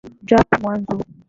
Mchape mwanzo.